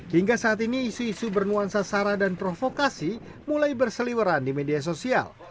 hingga saat ini isu isu bernuansa sara dan provokasi mulai berseliweran di media sosial